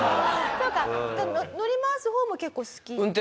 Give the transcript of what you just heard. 乗り回す方も結構好き？